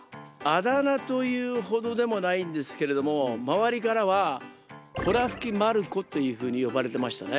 あだ名というほどでもないんですけれども周りからはほらふきマルコというふうに呼ばれてましたね。